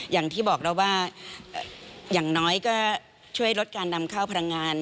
อย่างที่บอกแล้วว่าอย่างน้อยก็ช่วยลดการนำเข้าพลังงาน